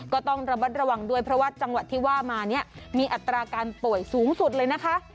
ก็ต้องระมัดระวังด้วยเพราะว่าจังหวัดที่ว่ามาเนี่ยมีอัตราการป่วยสูงสุดเลยนะคะ